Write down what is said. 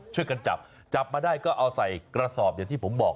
ช่วยกันจับจับมาได้ก็เอาใส่กระสอบอย่างที่ผมบอก